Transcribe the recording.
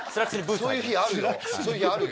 そういう日あるよ